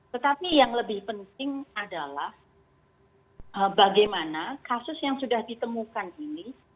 tetapi yang lebih penting adalah bagaimana kasus yang sudah ditemukan ini